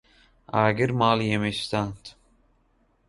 ئاگر ماڵی ئێمەی سوتاند.